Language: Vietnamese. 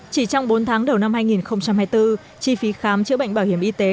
chỉ trong bốn tháng đầu năm hai nghìn hai mươi bốn chi phí khám chữa bệnh bảo hiểm y tế